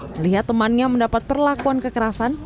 melihat temannya mendapat perlakuan kekerasan